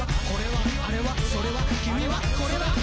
「これはあれはそれはこれは」